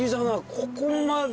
ここまで。